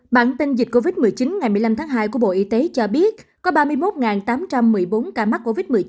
bản tin dịch covid một mươi chín ngày một mươi năm tháng hai của bộ y tế cho biết có ba mươi một tám trăm một mươi bốn ca mắc covid một mươi chín